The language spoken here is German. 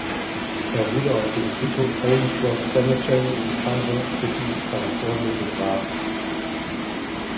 Er wurde auf dem Friedhof Holy Cross Cemetery in Culver City, Kalifornien begraben.